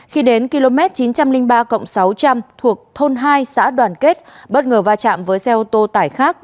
khi đến km chín trăm linh ba sáu trăm linh thuộc thôn hai xã đoàn kết bất ngờ va chạm với xe ô tô tải khác